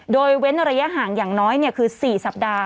โดยเว้นระยะห่างอย่างน้อยคือ๔สัปดาห์